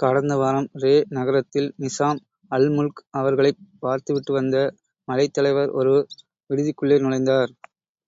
கடந்தவாரம் ரே நகரத்தில், நிசாம் அல்முல்க் அவர்களைப் பார்த்துவிட்டு வந்த மலைத்தலைவர் ஒரு விடுதிக்குள்ளே நுழைந்தார்.